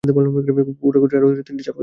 বোড়া গোত্রের আরও তিনটি সাপকে সমঝে চলা দরকার।